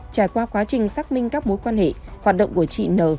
trải qua quá trình xác minh các mối quan hệ hoạt động của chị n